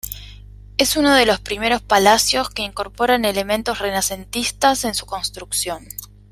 Es uno de los primeros palacios que incorporan elementos renacentistas en su construcción.